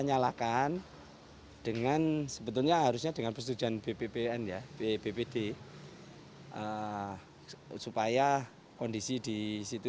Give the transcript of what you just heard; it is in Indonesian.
nyalakan dengan sebetulnya harusnya dengan persetujuan bbbn ya bbbd supaya kondisi disitu